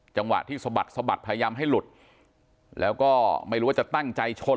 จังหวะที่สะบัดสะบัดพยายามให้หลุดแล้วก็ไม่รู้ว่าจะตั้งใจชน